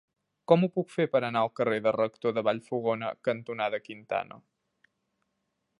Com ho puc fer per anar al carrer Rector de Vallfogona cantonada Quintana?